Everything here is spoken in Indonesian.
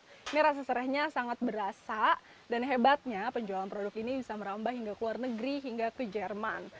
ini rasa serahnya sangat berasa dan hebatnya penjualan produk ini bisa merambah hingga ke luar negeri hingga ke jerman